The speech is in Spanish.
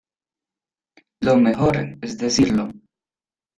lo mejor es decirlo.